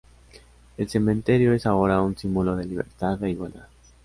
El cementerio es ahora un símbolo de libertad e igualdad.